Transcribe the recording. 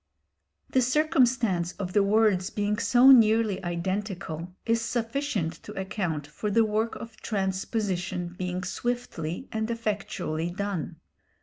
The circumstance of the words being so nearly identical is sufficient to account for the work of transposition being swiftly and effectually done.